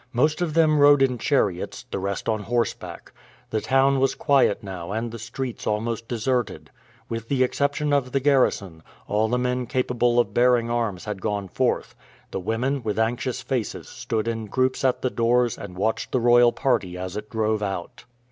Most of them rode in chariots, the rest on horseback. The town was quiet now and the streets almost deserted. With the exception of the garrison, all the men capable of bearing arms had gone forth; the women with anxious faces stood in groups at their doors and watched the royal party as it drove out.